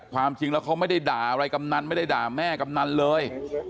ความจริงแล้วเขาไม่ได้ด่าอะไรกำนันไม่ได้ด่าแม่กำนันเลย